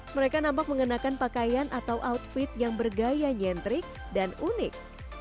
mereka nampak mengenakan pakaian atau outfit yang bergaya nyentrik dan unik